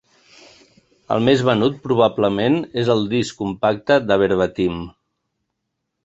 El més venut, probablement, és el disc compacte de Verbatim.